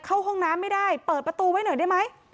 เข้าห้องน้ำไม่ได้เปิดประตูไว้หน่อยได้ไหม